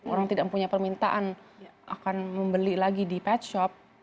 orang tidak punya permintaan akan membeli lagi di pet shop